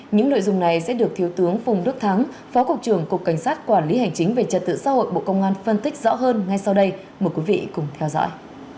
những nội dung này sẽ được thiếu tướng phùng đức thắng phó cục trưởng cục cảnh sát quản lý hành chính về trật tự xã hội bộ công an phân tích rõ hơn ngay sau đây mời quý vị cùng theo dõi